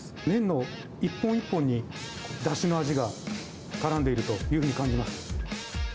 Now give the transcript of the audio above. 麺の一本一本に、だしの味がからんでいるというふうに感じます。